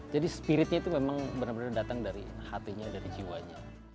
spiritnya itu memang benar benar datang dari hatinya dari jiwanya